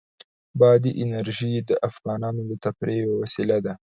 بادي انرژي د افغانانو د تفریح یوه وسیله ده.